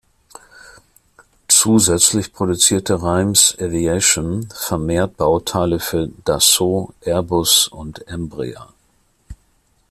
Zusätzlich produzierte Reims Aviation vermehrt Bauteile für Dassault, Airbus, und Embraer.